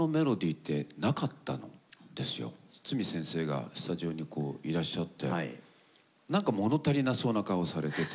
筒美先生がスタジオにこういらっしゃってなんか物足りなそうな顔されてて。